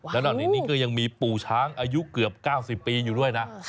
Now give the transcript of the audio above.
แล้วนอกจากนี้ก็ยังมีปู่ช้างอายุเกือบ๙๐ปีอยู่ด้วยนะ